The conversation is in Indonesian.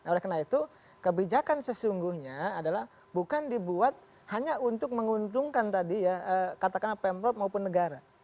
oleh karena itu kebijakan sesungguhnya adalah bukan dibuat hanya untuk menguntungkan tadi ya katakanlah pemprov maupun negara